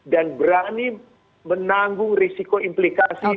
dan berani menanggung risiko implikasi